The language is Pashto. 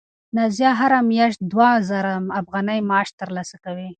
نازیه هره میاشت دوه زره افغانۍ معاش ترلاسه کوي.